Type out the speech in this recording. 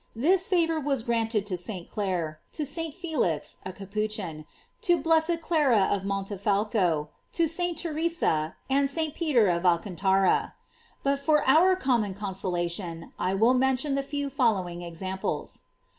This favor was granted to St. Clare, to St. Felix, a Capuchin, to the blessed Clara of Montefalco, to St. Theresa, and St. Peter of Al cantara. But for our common consolation, I will mention the few following examples.